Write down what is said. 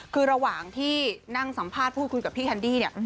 คือระหว่างที่นั่งสัมภาษณ์พูดคุยกับพี่แคนดี้เนี่ย